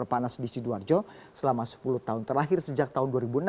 yang panas di sidoarjo selama sepuluh tahun terakhir sejak tahun dua ribu enam